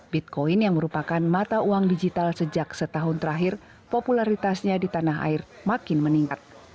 bitcoin yang merupakan mata uang digital sejak setahun terakhir popularitasnya di tanah air makin meningkat